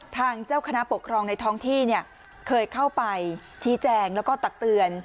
ทางเจ้าคณะปกครองในท้องที่เนี่ยเคยเข้าไปชี้แจงแล้วก็ตักเตือน